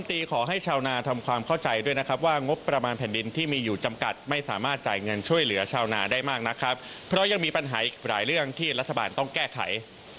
ติดตามจากคุณเจนศักดิ์แซ่อึ้งรายงานสดมาจากคุณเจนศักดิ์